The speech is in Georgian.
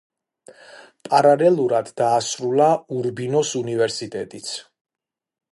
პარალელურად დაასრულა ურბინოს უნივერსიტეტიც.